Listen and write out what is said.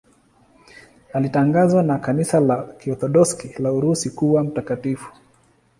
Alitangazwa na Kanisa la Kiorthodoksi la Urusi kuwa mtakatifu.